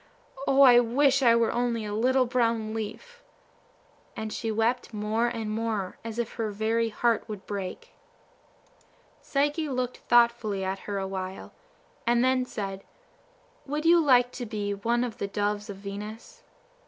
O, I wish I were only a little brown leaf!" and she wept more and more, as if her very heart would break. Psyche looked thoughtfully at her a while, and then said, "Would you like to be one of the Doves of Venus?"